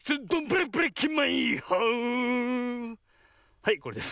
はいこれです。